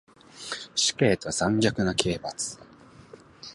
死刑と残虐な刑罰